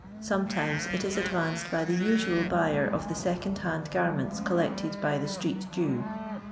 Sometimes it is advanced by the usual buyer of the second hand garments collected by the street Jew.